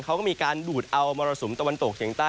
เขาก็มีการดูดเอามรสุมตะวันตกเฉียงใต้